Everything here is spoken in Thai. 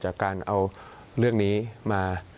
การเอาเรื่องนี้มา